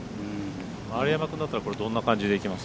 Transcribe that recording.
丸山君だったらどんな感じでいきます？